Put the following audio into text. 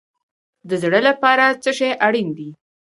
د زړه لپاره څه شی اړین دی؟